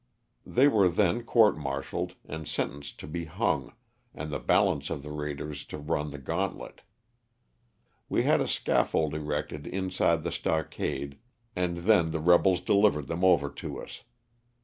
They were then "court martialed " and sentenced to be hung, and the balance of the raiders to run the gauntlet. We had a scalfold erected inside the stockade, and then the rebels delivered them over to us.